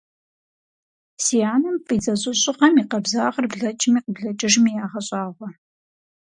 Си анэм фӏидзэ жьыщӏыгъэм и къабзагъыр блэкӏми къыблэкӏыжми ягъэщӏагъуэ!